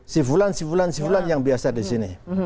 sifulan sifulan sifulan yang biasa di sini